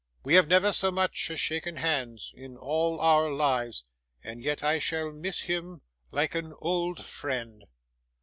We have never so much as shaken hands in all our lives; and yet I shall miss him like an old friend.